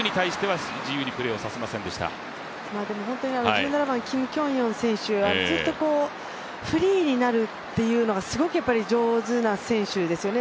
１７番、キム・キョンヨン選手、ずっとフリーになるっていうのがすごく上手な選手ですよね